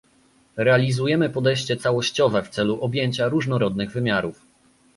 Realizujemy podejście całościowe w celu objęcia różnorodnych wymiarów